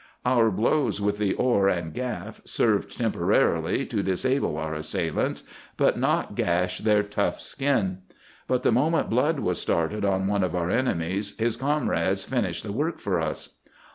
"Our blows with the oar and gaff served temporarily to disable our assailants, but not gash their tough skin. But the moment blood was started on one of our enemies his comrades finished the work for us.